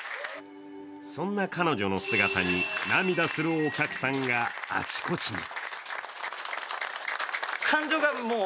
そんな彼女の姿に涙するお客さんがあちこちに。